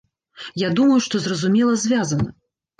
Я думаю, што, зразумела, звязана.